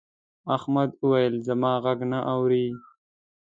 احمد وويل: زما غږ نه اوري.